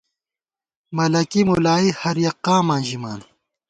ملَکی مُلائی ، ہر یَک قاماں ژِمان